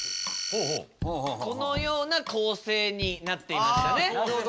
このような構成になっていましたね。